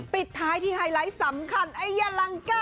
ปิดท้ายที่ไฮไลท์สำคัญไอ้ยาลังก้า